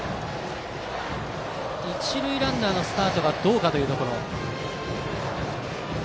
一塁ランナーのスタートがどうかというところ。